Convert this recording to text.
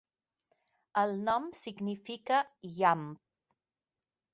El nom significa "llamp".